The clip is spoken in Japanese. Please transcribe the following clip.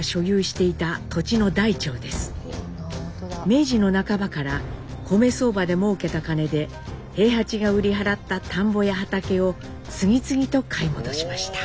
明治の半ばから米相場でもうけた金で兵八が売り払った田んぼや畑を次々と買い戻しました。